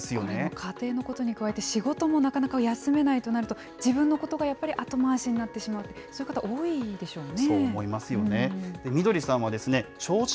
家庭のことに加えて、仕事もなかなか休めないとなると、自分のことがやっぱり後回しになってしまう、そういう方、多いでしょうね。